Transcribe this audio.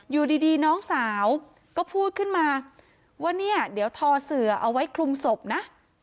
อยู่ดีน้องสาวก็พูดขึ้นมาว่าเนี่ยเดี๋ยวทอเสือเอาไว้คลุมศพนะ